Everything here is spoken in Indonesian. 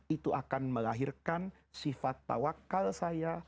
itu akan melahirkan sifat tawakal saya